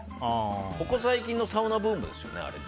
ここ最近のサウナブームですよねあれは。